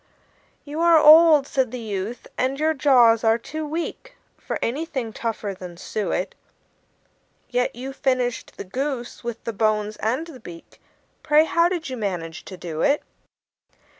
"You are old," said the youth, "and your jaws are too weak For anything tougher than suet; Yet you finished the goose, with the bones and the beak. Pray, how did you manage to do it?"